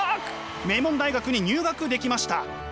名門大学に入学できました。